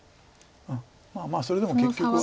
まあまあそれでも結局は。